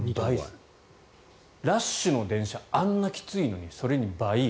ラッシュの電車あんなきついのに、倍。